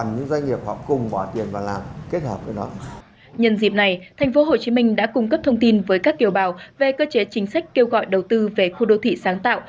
nhân dịp này thành phố hồ chí minh đã cung cấp thông tin với các kiểu bào về cơ chế chính sách kêu gọi đầu tư về khu đô thị sáng tạo